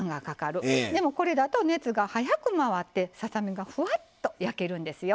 でもこれだと熱が早く回ってささ身がふわっと焼けるんですよ。